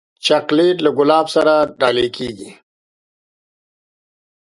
چاکلېټ له ګلاب سره ډالۍ کېږي.